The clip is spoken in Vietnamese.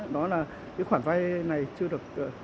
đó là cái khoản vai này chưa được